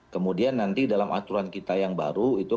kemudian nanti dalam aturan kita yang baru itu